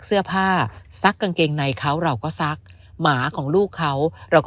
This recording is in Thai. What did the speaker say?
เสื้อผ้าซักกางเกงในเขาเราก็ซักหมาของลูกเขาเราก็